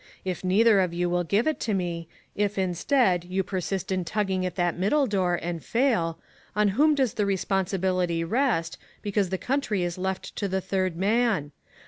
If neither of you will give it to me — if instead, you persist in tugging at that middle door, and fail — on whom does the responsibility rest, because the country is left to the third man